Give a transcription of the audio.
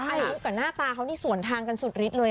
ที่มันก็หน้าตาเขามันสวนทางกันสุดริดเลย